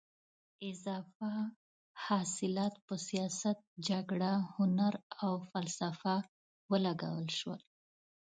اضافه حاصلات په سیاست، جګړه، هنر او فلسفه ولګول شول.